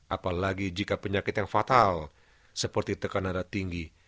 apalagi jika penyakit yang fatal seperti tekanan darah tinggi